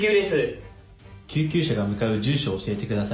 「救急車が向かう住所を教えて下さい」。